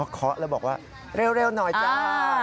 เคาะแล้วบอกว่าเร็วหน่อยจ้า